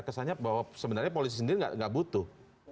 kesannya bahwa sebenarnya polisi sendiri nggak butuh